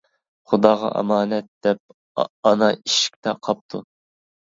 خۇداغا ئامانەت دەپ، ئانا ئىشىكتە قاپتۇ.